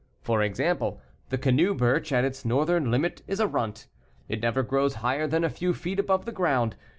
For example, the canoe birch at its northern limit is a runt. It never grows higher than a few feet above the ground.